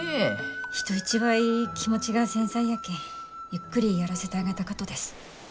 人一倍気持ちが繊細やけんゆっくりやらせてあげたかとです。